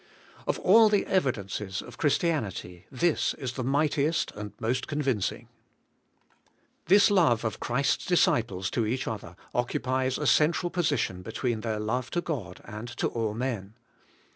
Of all the evidences of Christianity, this is the mightiest and most convincing. This love of Christ's disciples to each other occu pies a central position between their love to God and to all men.